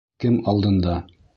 — Кем алдында?